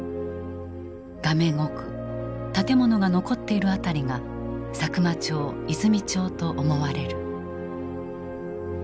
画面奥建物が残っている辺りが佐久間町・和泉町と思われる。